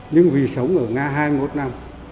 nhưng vì sống ở nga hai mươi một năm